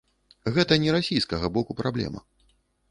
Гэта не расійскага боку праблема.